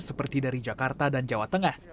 seperti dari jakarta dan jawa tengah